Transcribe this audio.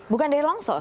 bukan dari longsor